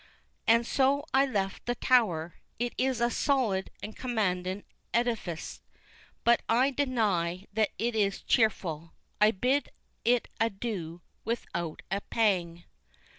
And so I left the Tower. It is a solid and commandin edifis, but I deny that it is cheerful. I bid it adoo without a pang.